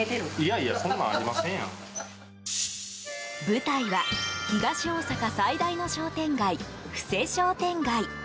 舞台は、東大阪最大の商店街布施商店街。